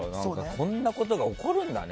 こんなことが起こるんだね。